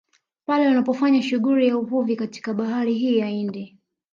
Pale wanapofanya shughuli ya uvuvi katika bahari hii ya Hindi